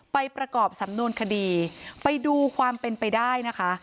ประกอบสำนวนคดีไปดูความเป็นไปได้นะคะ